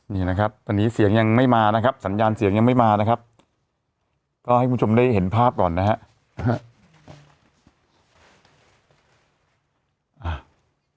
นี่นะครับตอนนี้เสียงยังไม่มานะครับสัญญาณเสียงยังไม่มานะครับก็ให้คุณผู้ชมได้เห็นภาพก่อนนะครับ